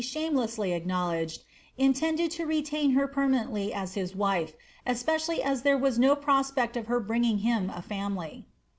shamelessly acknowledged, intmded to retain her permanently as his wife, especially as there was no prospect of her bringing him a family.